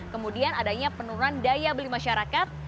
kemudian adanya penurunan daya beli masyarakat